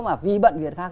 mà vi bận việc khác